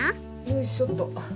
よいしょっと。